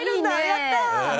やったー！